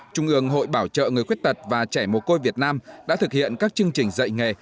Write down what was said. trung ương hội bảo trợ người khuyết tật và trẻ mồ côi việt nam đã thực hiện các chương trình dạy nghề